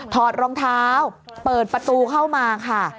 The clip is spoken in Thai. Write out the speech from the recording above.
ถอดรองเท้าเปิดประตูเข้ามาค่ะ